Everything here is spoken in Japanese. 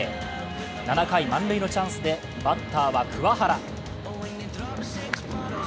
７回、満塁のチャンスでバッターは桑原。